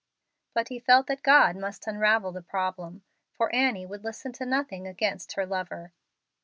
But he felt that God must unravel the problem, for Annie would listen to nothing against her lover.